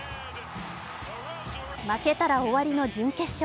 負けたら終わりの準決勝。